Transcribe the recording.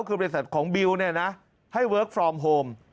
คือบริษัทของบิวให้เวิร์คฟรอมโฮม